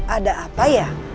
ada apa ya